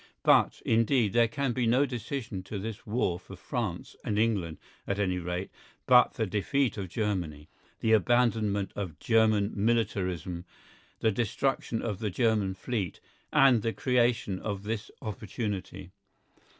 But, indeed, there can be no decision to this war for France and England at any rate but the defeat of Germany, the abandonment of German militarism, the destruction of the German fleet, and the creation of this opportunity.